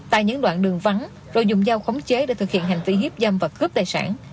tại những đoạn đường vắng rồi dùng dao khống chế để thực hiện hành vi hiếp dâm và cướp tài sản